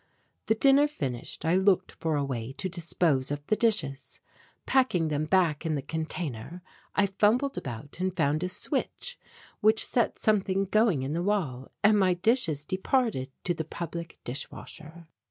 The dinner finished, I looked for a way to dispose of the dishes. Packing them back in the container I fumbled about and found a switch which set something going in the wall, and my dishes departed to the public dishwasher.